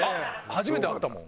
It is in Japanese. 初めて会ったもん。